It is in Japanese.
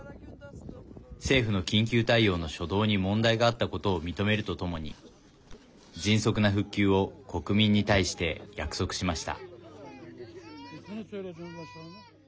政府の緊急対応の初動に問題があったことを認めるとともに迅速な復旧を国民に対して約束しました。